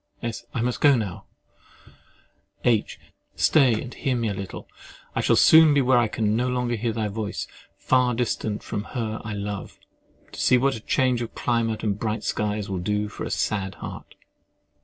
— S. I must go now. H. Stay, and hear me a little. I shall soon be where I can no more hear thy voice, far distant from her I love, to see what change of climate and bright skies will do for a sad heart.